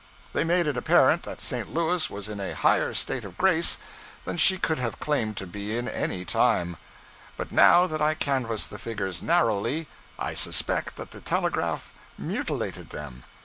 They made it apparent that St. Louis was in a higher state of grace than she could have claimed to be in my time. But now that I canvass the figures narrowly, I suspect that the telegraph mutilated them.